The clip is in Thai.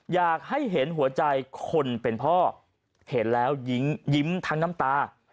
อยากให้เห็นหัวใจคนเป็นพ่อเห็นแล้วยิ้มทั้งน้ำตา